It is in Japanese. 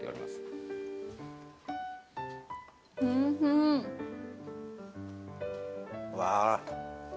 うわ。